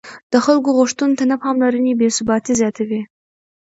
د خلکو غوښتنو ته نه پاملرنه بې ثباتي زیاتوي